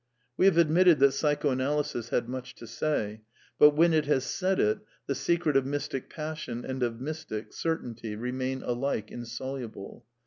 We have admitted that Psychoanalysis had much to say ; but v^^hen it has said it, the secret of mystic passion and of mystic certainty remain alike insoluble.